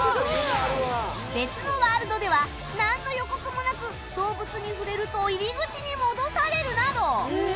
別のワールドではなんの予告もなく動物に触れると入り口に戻されるなど